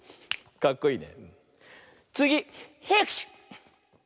かっこいいね。